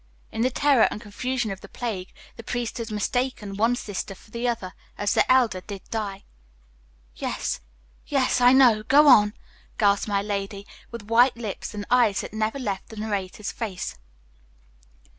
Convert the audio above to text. In the terror and confusion of the plague, the priest had mistaken one sister for the other, as the elder did die." "Yes, yes, I know; go on!" gasped my lady, with white lips, and eyes that never left the narrator's face.